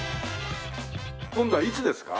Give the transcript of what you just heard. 今度はいつですか？